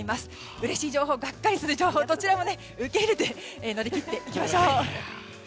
うれしい情報がっかりする情報どちらも受け入れて乗り切っていきましょう。